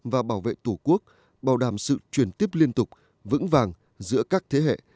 và bảo vệ tổ quốc bảo đảm sự truyền tiếp liên tục vững vàng giữa các thế hệ